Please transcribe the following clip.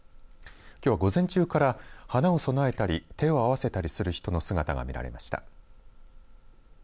きょう午前中から花を供えたり手を合わせたりする人の姿が見られました。